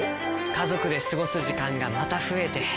家族で過ごす時間がまた増えて。